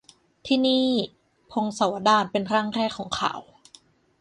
ที่นี่ : พงศาวดารเป็นร่างแรกของข่าว